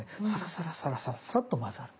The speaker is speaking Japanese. サラサラサラっと混ざる。